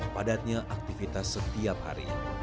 padatnya aktivitas setiap hari